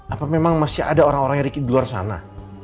apa memang masih ada orang orangnya ricky di luar sana